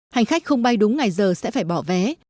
hành khách không bay đúng ngày giờ sẽ phải bỏ vé